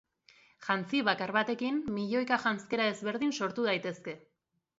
Jantzi bakar batekin milioika janzkera desberdin sortu daitezke.